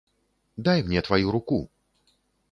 Дай мне тваю руку!